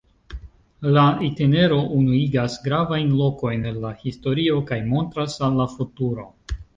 La itinero unuigas gravajn lokojn el la historio kaj montras al la futuro.